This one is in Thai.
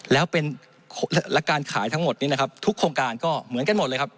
แล้วเป็นการขายทั้งหมดนี้นะครับทุกโครงการก็เหมือนกันหมดเลยครับ